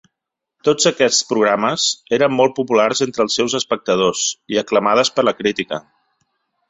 Tots aquests programes eren molt populars entre els seus espectadors i aclamades per la crítica.